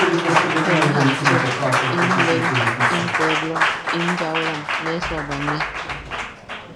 –Jeewi japchim, in leim, in puepplom, in yaʼuram, nesu a bwania.